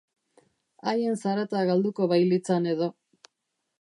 Haien zarata galduko bailitzan edo.